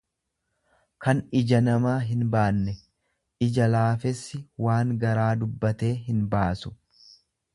kan ija namaa hinbaanne; Ija laafessi waan garaa dubbatee hinbaasu.